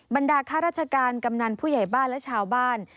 บรรดาข้าราชการกำนันผู้ใหญ่บ้านและชาวบ้าน